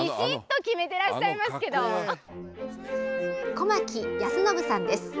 小牧康伸さんです。